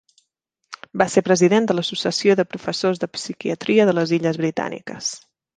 Va ser president de l'Associació de Professors de Psiquiatria de les Illes Britàniques.